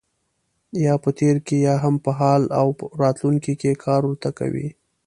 یا په تېر کې یا هم په حال او راتلونکي کې کار ورته کوي.